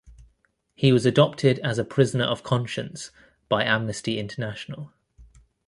He was adopted as a prisoner of conscience by Amnesty International.